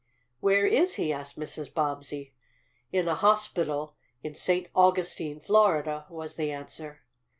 "Where is he?" asked Mrs. Bobbsey. "In a hospital in St. Augustine, Florida," was the answer.